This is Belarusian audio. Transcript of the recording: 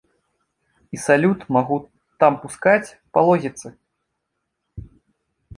І салют магу там пускаць па логіцы.